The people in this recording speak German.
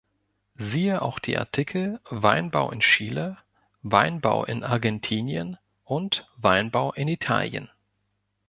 Siehe auch die Artikel Weinbau in Chile, Weinbau in Argentinien und Weinbau in Italien.